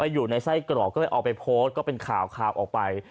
อยู่ในไส้กรอกก็เลยเอาไปโพสต์ก็เป็นข่าวออกไป